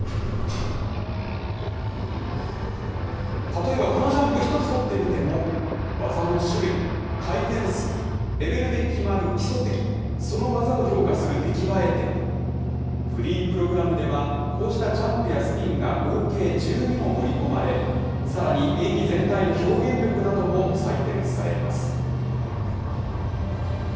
例えばこのジャンプ一つ取ってみても、技の種類、回転数、レベルで決まる基礎点、その技を評価する出来栄え点、フリープログラムでは、こうしたジャンプやスピンが合計１２も盛り込まれ、さらに、演技全体の表現力なども採点されます。